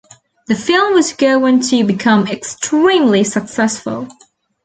The film would go on to become extremely successful.